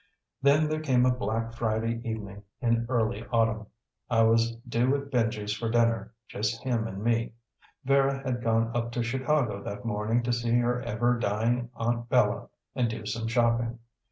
Then there came a black Friday evening in early autumn. I was due at Benji's for dinner, just him and me. Vera had gone up to Chicago that morning to see her ever dying Aunt Bella and do some shopping.